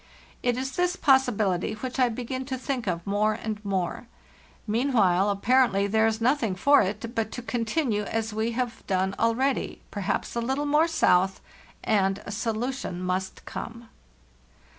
It is this possibility which I begin to think of more and more. Meanwhile, apparently there is nothing for it but to continue as we have done already—perhaps a little more south—and a solution must come.